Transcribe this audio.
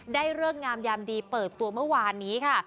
ได้เรื่องงามยามดีเปิดตัวเมื่อวานนี้ค่ะ